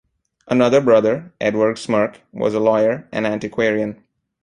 Another brother, Edward Smirke, was a lawyer and antiquarian.